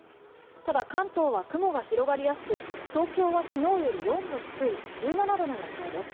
ただ、関東は雲が広がりやすく東京は昨日より４度低い１７度の予想です。